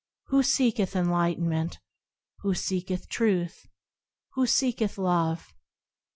Who seeketh enlightenment ? Who seeketh Truth ? Who seeketh Love